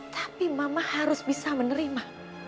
tapi mama harus bisa menerima